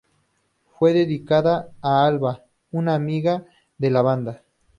Fue dedicada a "Alba" una amiga de la banda.